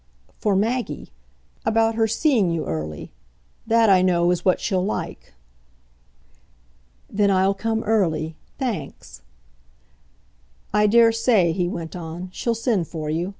"For Maggie about her seeing you early. That, I know, is what she'll like." "Then I'll come early thanks." "I daresay," he went on, "she'll send for you.